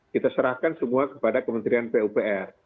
kita serahkan semua kepada kementerian pupr